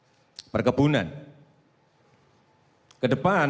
jika komoditas komoditas perkebunan tidak berhasil dalam perkebunan